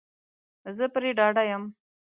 زه پری ډاډه یم